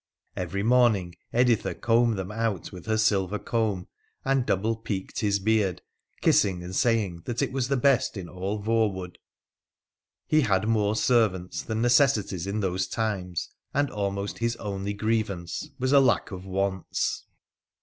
Every morning Editha combed them out with her silver comb, and double peaked his beard, kissing and say ing it was the best in all Voewood. He had more servants than necessities in those times, and almost his only grievance was a lack of wants.